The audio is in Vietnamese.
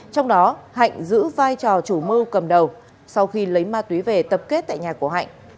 trong đó hạnh giữ vai trò chủ mưu cầm đầu sau khi lấy ma túy về tập kết tại nhà của hạnh